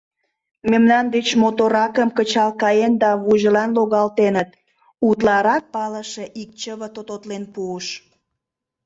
Мемнан деч моторракым кычал каен да вуйжылан логалтеныт, — утларак палыше ик чыве тототлен пуыш.